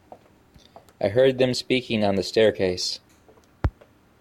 I heard them speaking on the staircase.